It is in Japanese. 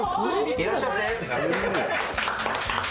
いらっしゃいませ。